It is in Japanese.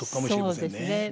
そうですね。